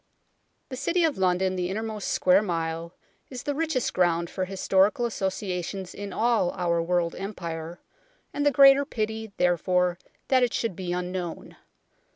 The City of London the innermost " square mile " is the richest ground for historical associa tions in all our world Empire, and the greater pity, therefore, that it should be unknown.